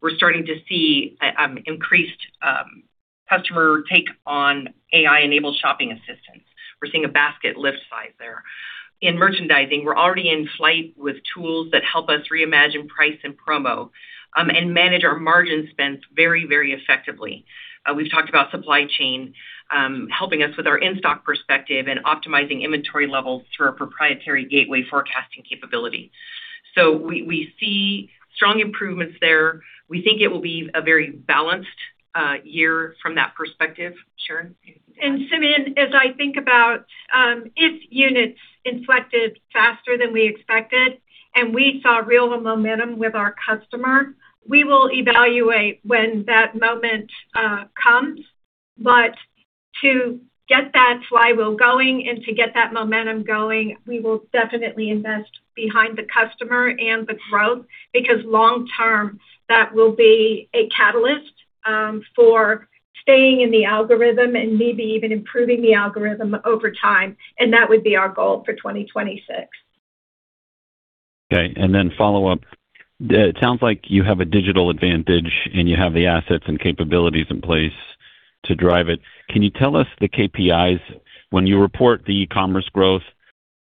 We're starting to see increased customer take on AI-enabled shopping assistance. We're seeing a basket lift size there. In merchandising, we're already in flight with tools that help us reimagine price and promo and manage our margin spends very effectively. We've talked about supply chain helping us with our in-stock perspective and optimizing inventory levels through our proprietary Gateway forecasting capability. We see strong improvements there. We think it will be a very balanced year from that perspective. Sharon? Simeon, as I think about if units inflected faster than we expected and we saw real momentum with our customer, we will evaluate when that moment comes. To get that flywheel going and to get that momentum going, we will definitely invest behind the customer and the growth, because long-term, that will be a catalyst for staying in the algorithm and maybe even improving the algorithm over time, and that would be our goal for 2026. Okay, follow up. It sounds like you have a digital advantage and you have the assets and capabilities in place to drive it. Can you tell us the KPIs when you report the e-commerce growth?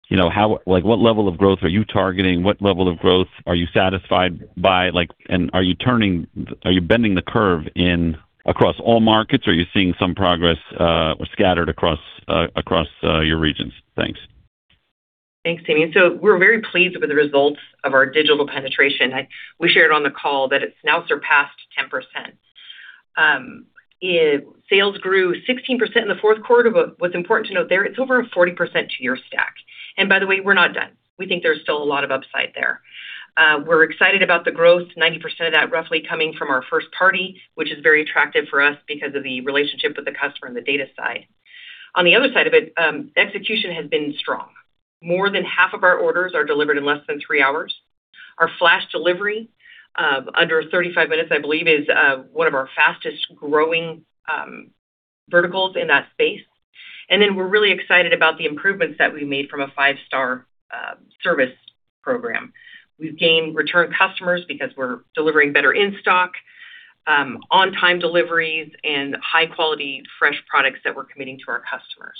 What level of growth are you targeting? What level of growth are you satisfied by? Are you bending the curve across all markets? Are you seeing some progress scattered across your regions? Thanks. Thanks, Simeon. We're very pleased with the results of our digital penetration. We shared on the call that it's now surpassed 10%. Sales grew 16% in the fourth quarter, but what's important to note there, it's over a 40% two-year stack. By the way, we're not done. We think there's still a lot of upside there. We're excited about the growth, 90% of that roughly coming from our first party, which is very attractive for us because of the relationship with the customer and the data side. On the other side of it, execution has been strong. More than half of our orders are delivered in less than three hours. Our flash delivery, under 35 minutes, I believe, is one of our fastest-growing verticals in that space. We're really excited about the improvements that we made from a five-star service program. We've gained return customers because we're delivering better in-stock, on-time deliveries, and high-quality fresh products that we're committing to our customers.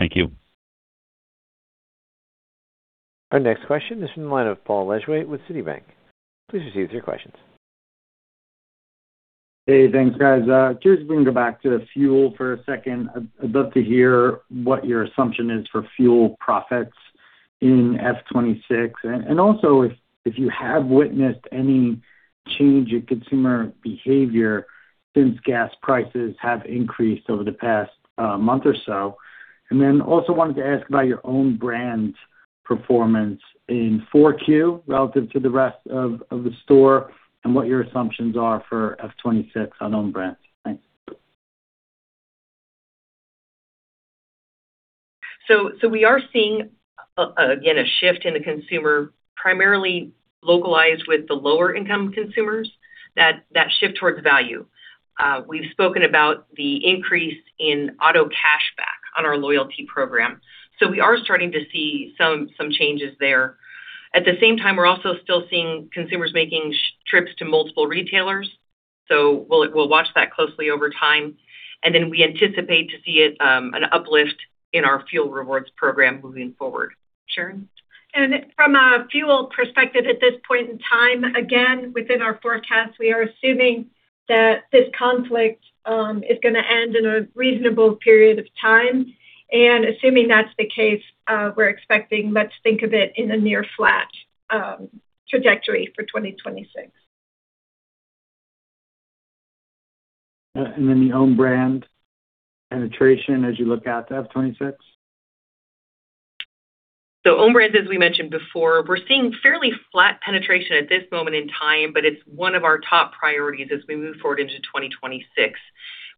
Thank you. Our next question is from the line of Paul Lejuez with Citibank. Please proceed with your questions. Hey, thanks, guys. Curious if we can go back to fuel for a second. I'd love to hear what your assumption is for fuel profits in F '26, and also if you have witnessed any change in consumer behavior since gas prices have increased over the past month or so. And then also wanted to ask about your own brand performance in four Q relative to the rest of the store, and what your assumptions are for F '26 on own brands. Thanks. We are seeing, again, a shift in the consumer, primarily localized with the lower-income consumers, that shift towards value. We've spoken about the increase in auto cashback on our loyalty program. We are starting to see some changes there. At the same time, we're also still seeing consumers making trips to multiple retailers. We'll watch that closely over time, and then we anticipate to see an uplift in our fuel rewards program moving forward. Sharon? From a fuel perspective at this point in time, again, within our forecast, we are assuming that this conflict is going to end in a reasonable period of time. Assuming that's the case, we're expecting, let's think of it in a near flat trajectory for 2026. The own brand penetration as you look out to FY 2026? Own Brands, as we mentioned before, we're seeing fairly flat penetration at this moment in time, but it's one of our top priorities as we move forward into 2026.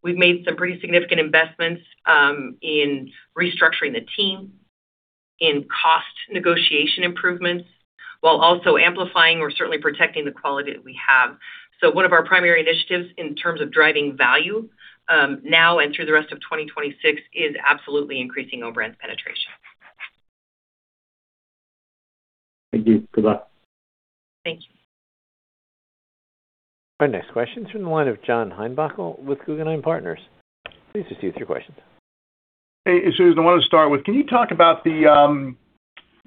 We've made some pretty significant investments in restructuring the team, in cost negotiation improvements, while also amplifying or certainly protecting the quality that we have. One of our primary initiatives in terms of driving value, now and through the rest of 2026, is absolutely increasing Own Brands penetration. Thank you. Good luck. Thank you. Our next question's from the line of John Heinbockel with Guggenheim Partners. Please proceed with your questions. Hey, Susan, I want to start with, can you talk about the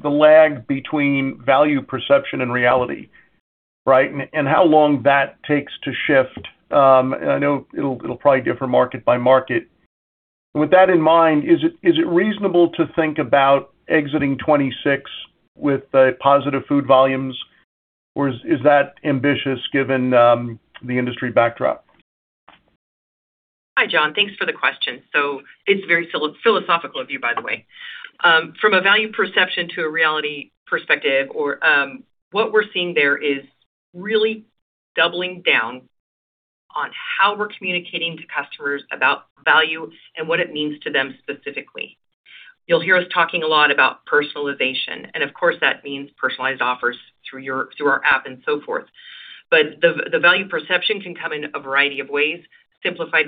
lag between value perception and reality, right, and how long that takes to shift? I know it'll probably differ market by market. With that in mind, is it reasonable to think about exiting 2026 with positive food volumes, or is that ambitious given the industry backdrop? Hi, John. Thanks for the question. It's very philosophical of you, by the way. From a value perception to a reality perspective, what we're seeing there is really doubling down on how we're communicating to customers about value and what it means to them specifically. You'll hear us talking a lot about personalization, and of course, that means personalized offers through our app and so forth. The value perception can come in a variety of ways, simplified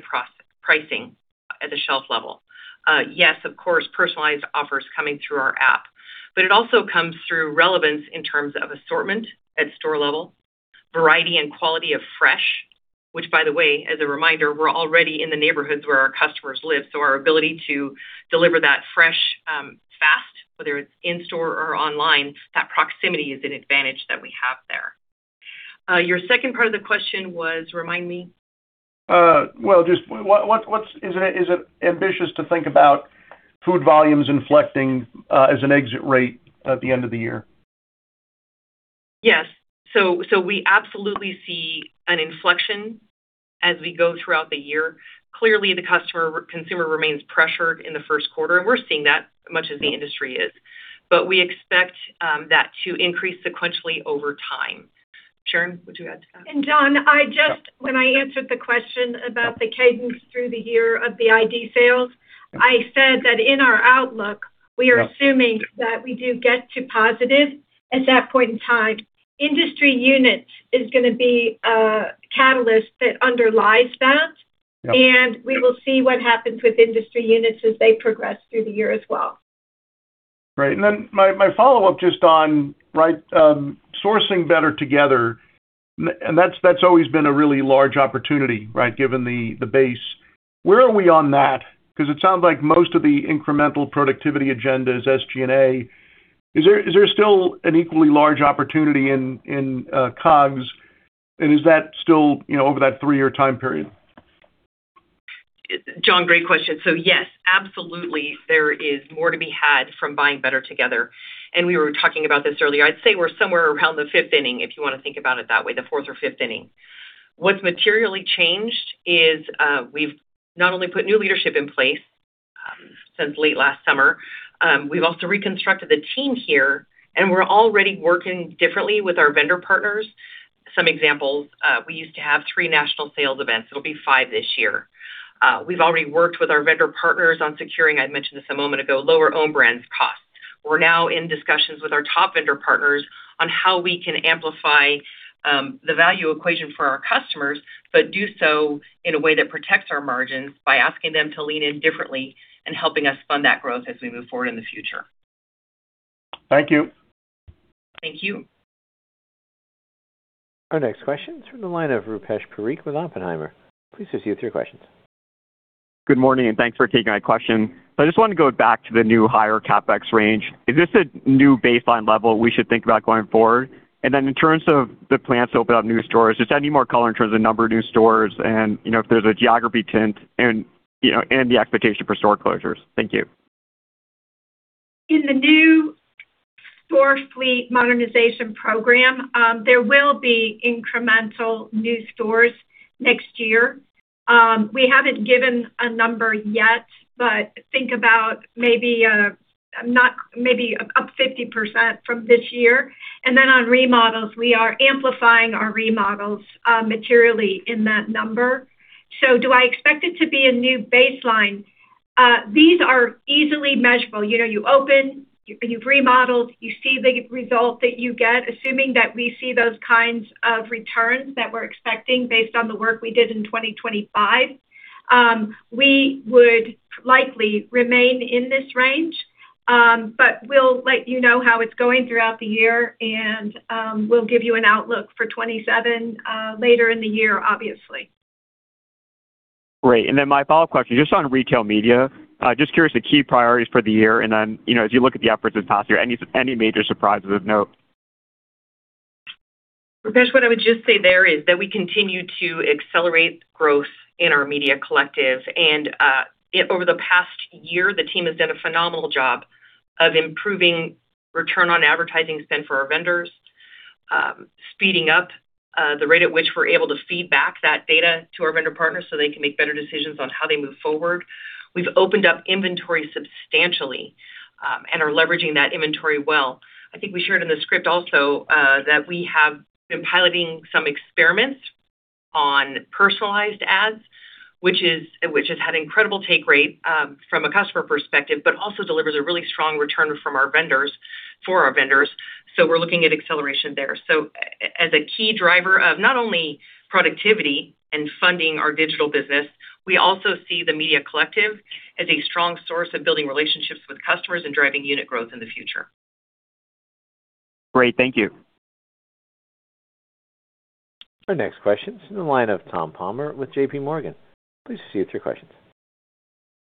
pricing at the shelf level. Yes, of course, personalized offers coming through our app. It also comes through relevance in terms of assortment at store level, variety and quality of fresh, which, by the way, as a reminder, we're already in the neighborhoods where our customers live, so our ability to deliver that fresh fast, whether it's in-store or online, that proximity is an advantage that we have there. Your second part of the question was, remind me? Well, is it ambitious to think about food volumes inflecting as an exit rate at the end of the year? Yes. We absolutely see an inflection as we go throughout the year. Clearly, the consumer remains pressured in the first quarter, and we're seeing that as much as the industry is. We expect that to increase sequentially over time. Sharon, would you add to that? John, when I answered the question about the cadence through the year of the Identical-store sales, I said that in our outlook, we are assuming that we do get to positive at that point in time. Industry units is going to be a catalyst that underlies that, and we will see what happens with industry units as they progress through the year as well. Right. My follow-up just on sourcing better together, and that's always been a really large opportunity, right, given the base. Where are we on that? Because it sounds like most of the incremental productivity agenda is SG&A. Is there still an equally large opportunity in COGS, and is that still over that three-year time period? John, great question. Yes, absolutely there is more to be had from buying better together, and we were talking about this earlier. I'd say we're somewhere around the fifth inning, if you want to think about it that way, the fourth or fifth inning. What's materially changed is we've not only put new leadership in place since late last summer, we've also reconstructed the team here, and we're already working differently with our vendor partners. Some examples, we used to have three national sales events. It'll be five this year. We've already worked with our vendor partners on securing, I mentioned this a moment ago, lower own brands costs. We're now in discussions with our top vendor partners on how we can amplify the value equation for our customers, but do so in a way that protects our margins by asking them to lean in differently and helping us fund that growth as we move forward in the future. Thank you. Thank you. Our next question is from the line of Rupesh Parikh with Oppenheimer. Please proceed with your questions. Good morning, thanks for taking my question. I just want to go back to the new higher CapEx range. Is this a new baseline level we should think about going forward? In terms of the plans to open up new stores, just any more color in terms of the number of new stores and if there's a geography tint and the expectation for store closures? Thank you. In the new store fleet modernization program, there will be incremental new stores next year. We haven't given a number yet, but think about maybe up 50% from this year. On remodels, we are amplifying our remodels materially in that number. Do I expect it to be a new baseline? These are easily measurable. You open, you've remodeled, you see the result that you get, assuming that we see those kinds of returns that we're expecting based on the work we did in 2025. We would likely remain in this range. We'll let you know how it's going throughout the year, and we'll give you an outlook for 2027 later in the year, obviously. Great. My follow-up question, just on retail media, just curious, the key priorities for the year, and then as you look at the efforts this past year, any major surprises of note? Rupesh, what I would just say there is that we continue to accelerate growth in our Media Collective. Over the past year, the team has done a phenomenal job of improving return on advertising spend for our vendors, speeding up the rate at which we're able to feed back that data to our vendor partners so they can make better decisions on how they move forward. We've opened up inventory substantially and are leveraging that inventory well. I think we shared in the script also that we have been piloting some experiments on personalized ads, which has had incredible take rate from a customer perspective, but also delivers a really strong return for our vendors. We're looking at acceleration there. As a key driver of not only productivity and funding our digital business, we also see the Media Collective as a strong source of building relationships with customers and driving unit growth in the future. Great. Thank you. Our next question is in the line of Tom Palmer with JPMorgan. Please proceed with your questions.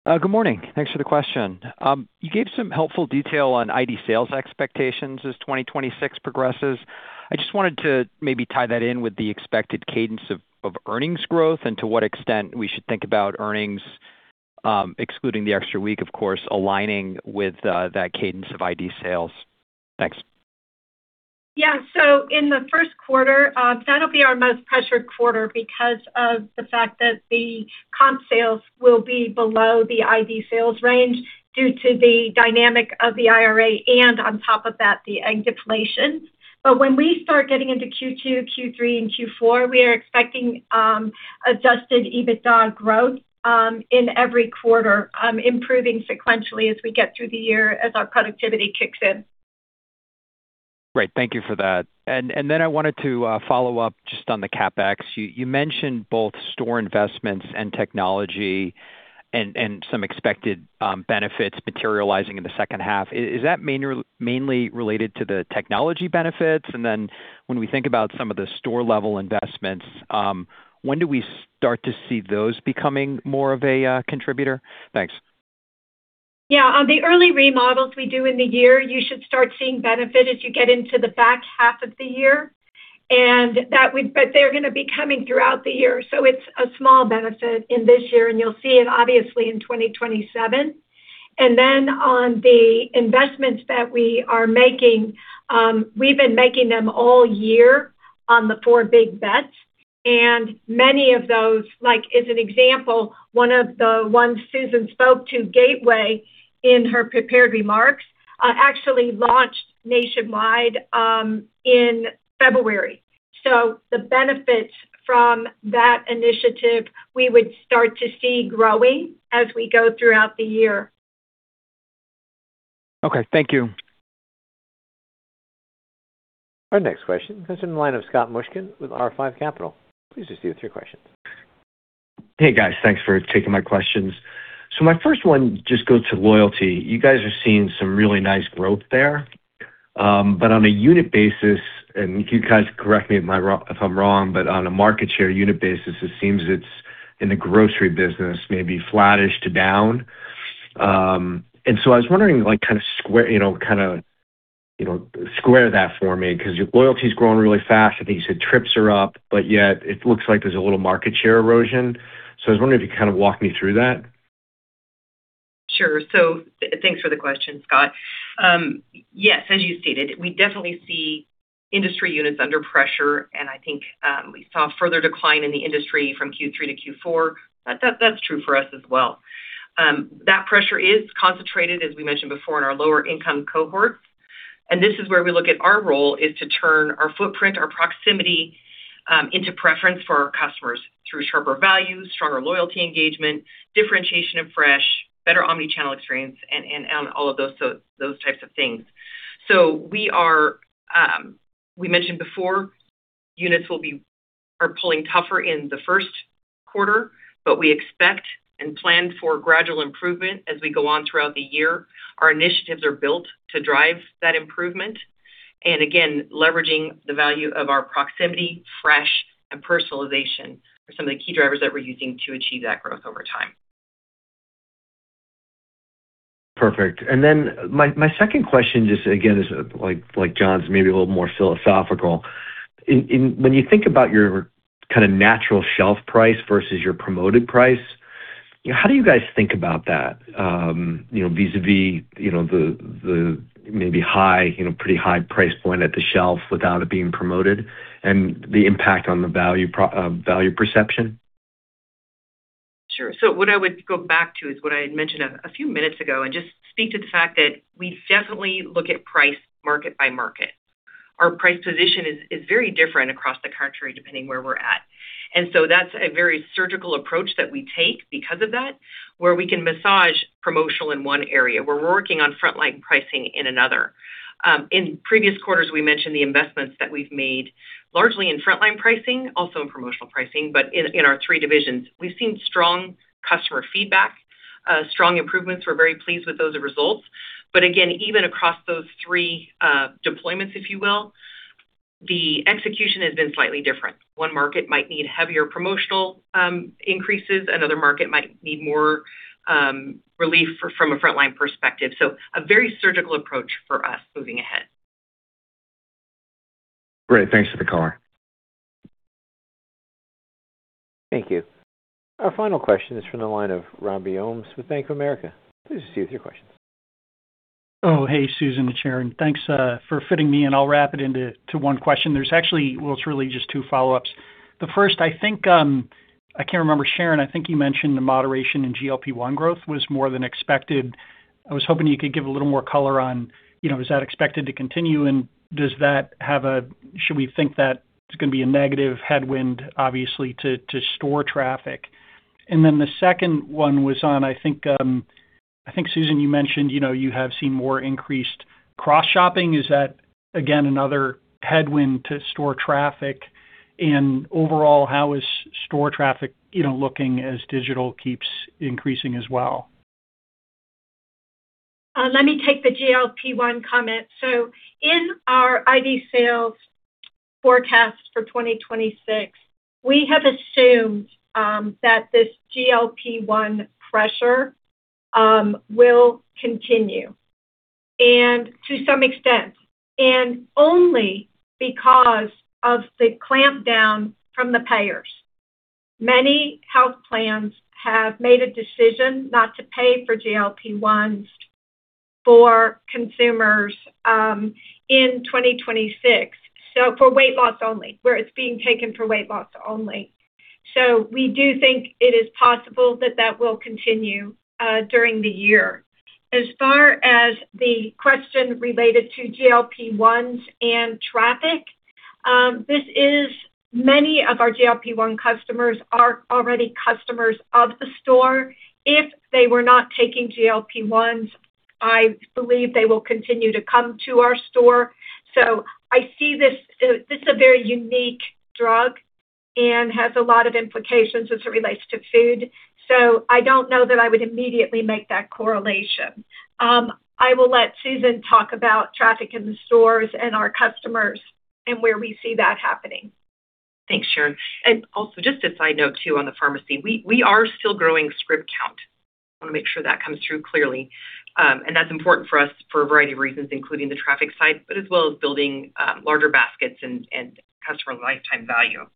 Good morning. Thanks for the question. You gave some helpful detail on Identical-store sales expectations as 2026 progresses. I just wanted to maybe tie that in with the expected cadence of earnings growth and to what extent we should think about earnings, excluding the extra week, of course, aligning with that cadence of Identical-store sales. Thanks. Yeah. In the first quarter, that'll be our most pressured quarter because of the fact that the comp sales will be below the Identical-store sales range due to the dynamic of the IRA and on top of that, the egg deflation. When we start getting into Q2, Q3, and Q4, we are expecting Adjusted EBITDA growth in every quarter, improving sequentially as we get through the year as our productivity kicks in. Great. Thank you for that. I wanted to follow up just on the CapEx. You mentioned both store investments and technology and some expected benefits materializing in the second half. Is that mainly related to the technology benefits? When we think about some of the store-level investments, when do we start to see those becoming more of a contributor? Thanks. Yeah. On the early remodels we do in the year, you should start seeing benefit as you get into the back half of the year. They're going to be coming throughout the year. It's a small benefit in this year, and you'll see it obviously in 2027. On the investments that we are making, we've been making them all year on the four big bets, and many of those, like as an example, one of the ones Susan spoke to, Gateway, in her prepared remarks, actually launched nationwide in February. The benefits from that initiative, we would start to see growing as we go throughout the year. Okay. Thank you. Our next question comes from the line of Scott Mushkin with R5 Capital. Please proceed with your question. Hey, guys. Thanks for taking my questions. My first one just goes to loyalty. You guys are seeing some really nice growth there. On a unit basis, and you guys correct me if I'm wrong, but on a market share unit basis, it seems it's in the grocery business may be flattish to down. I was wondering, like kind of square that for me, because your loyalty's growing really fast. I think you said trips are up, but yet it looks like there's a little market share erosion. I was wondering if you kind of walk me through that. Sure. Thanks for the question, Scott. Yes, as you stated, we definitely see industry units under pressure, and I think we saw a further decline in the industry from Q3 to Q4. That's true for us as well. That pressure is concentrated, as we mentioned before, in our lower-income cohorts. This is where we look at our role is to turn our footprint, our proximity, into preference for our customers through sharper values, stronger loyalty engagement, differentiation of fresh, better omnichannel experience, and all of those types of things. We mentioned before, units are pulling tougher in the first quarter, but we expect and plan for gradual improvement as we go on throughout the year. Our initiatives are built to drive that improvement. Again, leveraging the value of our proximity, fresh, and personalization are some of the key drivers that we're using to achieve that growth over time. Perfect. My second question, just again, is like John's, maybe a little more philosophical. When you think about your kind of natural shelf price versus your promoted price, how do you guys think about that vis-a-vis the maybe pretty high price point at the shelf without it being promoted and the impact on the value perception? Sure. What I would go back to is what I had mentioned a few minutes ago and just speak to the fact that we definitely look at price market by market. Our price position is very different across the country, depending where we're at. That's a very surgical approach that we take because of that, where we can massage promotional in one area, where we're working on frontline pricing in another. In previous quarters, we mentioned the investments that we've made largely in frontline pricing, also in promotional pricing. In our three divisions, we've seen strong customer feedback, strong improvements. We're very pleased with those results. Again, even across those three deployments, if you will, the execution has been slightly different. One market might need heavier promotional increases, another market might need more relief from a frontline perspective. A very surgical approach for us moving ahead. Great. Thanks for the color. Thank you. Our final question is from the line of Robbie Ohmes with Bank of America. Please proceed with your question. Oh, hey, Susan and Sharon. Thanks for fitting me in. I'll wrap it into one question. Well, it's really just two follow-ups. The first, I can't remember, Sharon, I think you mentioned the moderation in GLP-1 growth was more than expected. I was hoping you could give a little more color on is that expected to continue, and should we think that it's going to be a negative headwind, obviously, to store traffic? The second one was on, I think, Susan, you mentioned you have seen more increased cross-shopping. Is that again another headwind to store traffic? Overall, how is store traffic looking as digital keeps increasing as well? Let me take the GLP-1 comment. In our Identical-store sales forecast for 2026, we have assumed that this GLP-1 pressure will continue and to some extent, and only because of the clampdown from the payers. Many health plans have made a decision not to pay for GLP-1s for consumers in 2026 for weight loss only, where it's being taken for weight loss only. We do think it is possible that that will continue during the year. As far as the question related to GLP-1s and traffic, many of our GLP-1 customers are already customers of the store. If they were not taking GLP-1s, I believe they will continue to come to our store. I see this as a very unique drug and has a lot of implications as it relates to food. I don't know that I would immediately make that correlation. I will let Susan talk about traffic in the stores and our customers and where we see that happening. Thanks, Sharon. Also just a side note, too, on the pharmacy, we are still growing script count. I want to make sure that comes through clearly. That's important for us for a variety of reasons, including the traffic side, but as well as building larger baskets and customer lifetime value.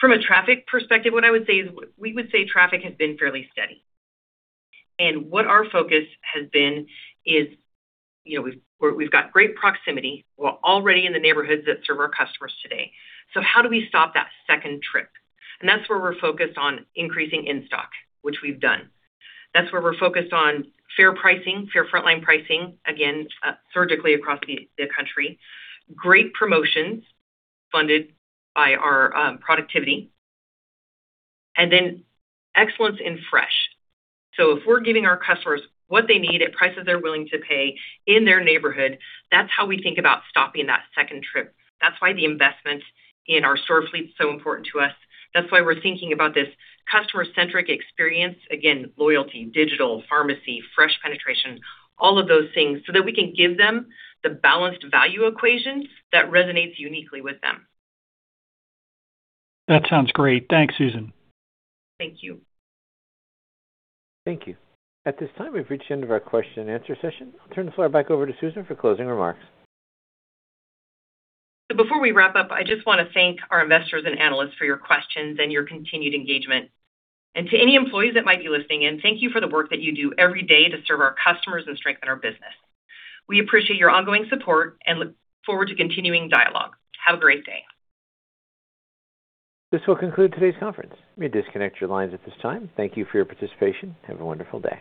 From a traffic perspective, what I would say is we would say traffic has been fairly steady. What our focus has been is we've got great proximity. We're already in the neighborhoods that serve our customers today. How do we stop that second trip? That's where we're focused on increasing in-stock, which we've done. That's where we're focused on fair pricing, fair frontline pricing, again, surgically across the country. Great promotions funded by our productivity. Excellence in fresh. If we're giving our customers what they need at prices they're willing to pay in their neighborhood, that's how we think about stopping that second trip. That's why the investment in our store fleet is so important to us. That's why we're thinking about this customer-centric experience. Again, loyalty, digital, pharmacy, fresh penetration, all of those things, so that we can give them the balanced value equation that resonates uniquely with them. That sounds great. Thanks, Susan. Thank you. Thank you. At this time, we've reached the end of our question and answer session. I'll turn the floor back over to Susan for closing remarks. Before we wrap up, I just want to thank our investors and analysts for your questions and your continued engagement. To any employees that might be listening in, thank you for the work that you do every day to serve our customers and strengthen our business. We appreciate your ongoing support and look forward to continuing dialogue. Have a great day. This will conclude today's conference. You may disconnect your lines at this time. Thank you for your participation. Have a wonderful day.